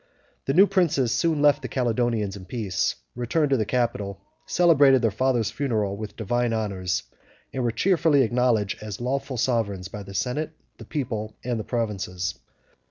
The new princes soon left the Caledonians in peace, returned to the capital, celebrated their father's funeral with divine honors, and were cheerfully acknowledged as lawful sovereigns, by the senate, the people, and the provinces.